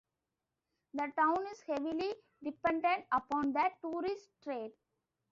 The town is heavily dependent upon the tourist trade.